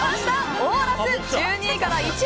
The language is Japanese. オーラス、１２位から１位。